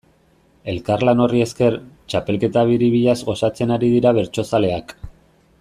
Elkarlan horri esker, txapelketa biribilaz gozatzen ari dira bertsozaleak.